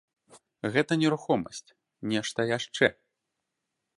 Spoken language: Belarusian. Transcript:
Гэта нерухомасць, нешта яшчэ.